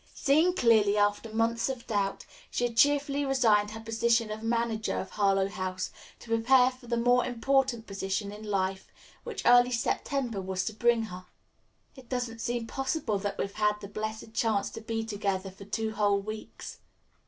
Seeing clearly, after months of doubt, she had cheerfully resigned her position as manager of Harlowe House to prepare for the more important position in life which early September was to bring her. "It doesn't seem possible that we've had the blessed chance to be together for two whole weeks."